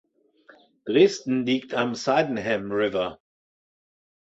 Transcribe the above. Dresden liegt am Sydenham River.